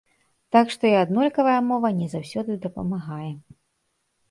Так што і аднолькавая мова не заўсёды дапамагае.